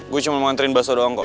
gue cuma mau anterin baso doang kok